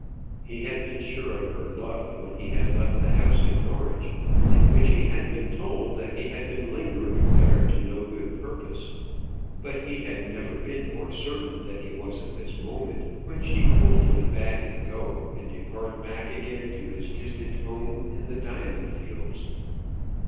He had been sure of her love when he had left the house at Norwich, in which he had been told that he had been lingering there to no good purpose; but he had never been more certain than he was at this moment, when she coldly bade him go and depart back again to his distant home in the diamond fields.